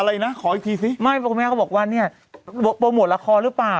อะไรนะขออีกทีสิไม่โฮม์แม่เขาบอกว่านี่โปรโมทลลลาร์คอร์หรือเปล่า